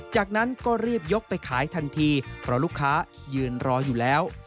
จากนั้นก็รีบยกไปขายทันทีเพราะลูกค้ายืนรออยู่แล้ว